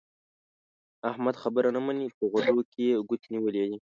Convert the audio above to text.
احمد خبره نه مني؛ په غوږو کې يې ګوتې نيولې دي.